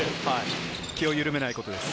気を緩めないことです。